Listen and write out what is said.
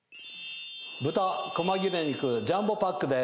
豚小間切肉ジャンボパックです。